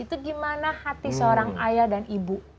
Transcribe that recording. itu gimana hati seorang ayah dan ibu